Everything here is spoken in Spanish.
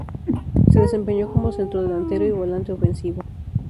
Se desempeñó como centrodelantero y volante ofensivo.